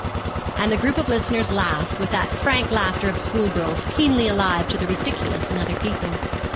And the group of listeners laughed, with that frank laughter of school girls keenly alive to the ridiculous in other people.